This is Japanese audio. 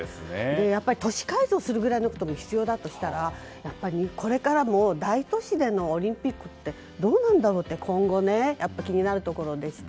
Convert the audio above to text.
やっぱり都市改造することも必要だとしたら、これからも大都市でのオリンピックってどうなんだろうって今後気になるところでして。